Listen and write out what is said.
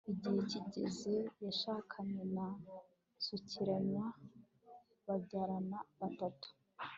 igihe kigeze, yashakanye na sukiranya, babyarana batatu